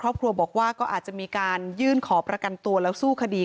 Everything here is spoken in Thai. ครอบครัวบอกว่าก็อาจจะมีการยื่นขอประกันตัวแล้วสู้คดี